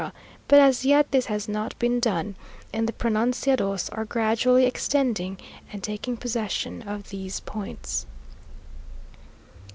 but as yet this has not been done, and the pronunciados are gradually extending, and taking possession of these points....